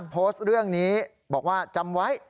โพสต์เรื่องนี้บอกว่าจำไว้